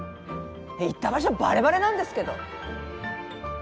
行った場所バレバレなんですけど。